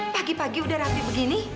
pagi pagi udah rapi begini